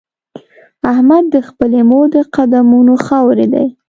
احمد د خپلې مور د قدمونو خاورې دی.